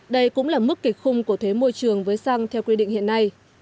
đây cũng là mức kịch khung của thuế môi trường với xăng theo quy định hiện nay